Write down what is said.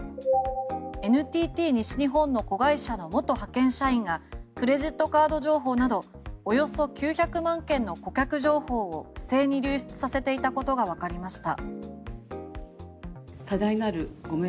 ＮＴＴ西日本の子会社の元派遣社員がクレジットカード情報などおよそ９００万件の顧客情報を不正に流出させていたことがわかりました。